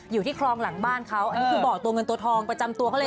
อยู่ที่คลองหลังบ้านเขาอันนี้คือบ่อตัวเงินตัวทองประจำตัวเขาเลย